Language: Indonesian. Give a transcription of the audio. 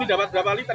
ini dapat berapa liter